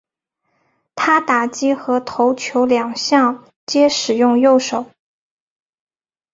他打击和投球两项皆使用右手。